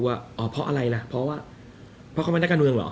ว่าเพราะอะไรนะเพราะว่าเพราะเขาไม่ได้การเมืองเหรอ